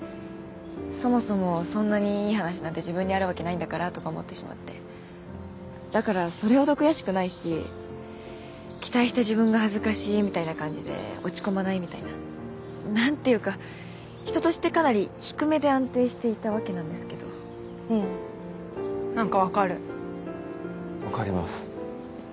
「そもそもそんなにいい話なんて自分にあるわけないんだから」とか思ってしまってだからそれほど悔しくないし期待した自分が恥ずかしいみたいな感じで落ち込まないみたいななんていうか人としてかなり低めで安定していたわけなんですけどうんなんかわかるわかります